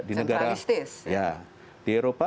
di negara di eropa